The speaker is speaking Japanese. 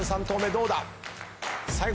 どうだ？